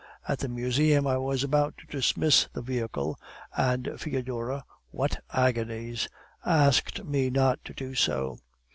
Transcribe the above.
At the Museum I was about to dismiss the vehicle, and Foedora (what agonies!) asked me not to do so.